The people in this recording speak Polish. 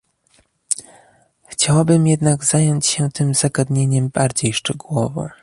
Chciałabym jednak zająć się tym zagadnieniem bardziej szczegółowo